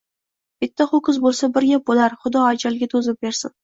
Bitta ho‘kiz bo‘lsa bir gap bo‘lar, xudo ajalga to‘zim bersin